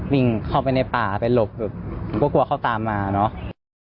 วิ่งเข้าไปในป่าไปหลบแบบก็กลัวเขาตามมาเนอะ